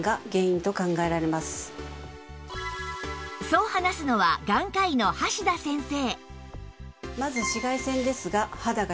そう話すのは眼科医の橋田先生